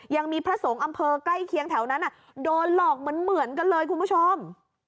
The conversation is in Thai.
ยังมีพระสงฆ์อำเภอใกล้เคียงแถวนั้นโดนหลอกเหมือนกันเลยคุณผู้ชม